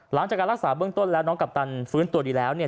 หลังจากการรักษาเบื้องต้นแล้วน้องกัปตันฟื้นตัวดีแล้วเนี่ย